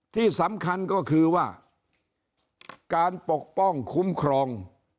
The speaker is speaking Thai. ที่สำคัญก็คือว่าการปกป้องคุ้มครอง